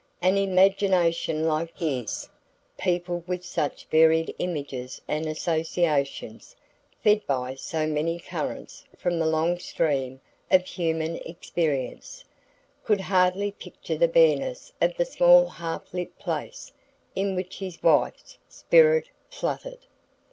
An imagination like his, peopled with such varied images and associations, fed by so many currents from the long stream of human experience, could hardly picture the bareness of the small half lit place in which his wife's spirit fluttered.